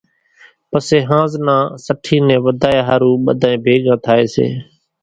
پسيَ ۿانز نان سٺِي نين وڌايا ۿارُو ٻڌانئين ڀيڳا ٿائيَ سي۔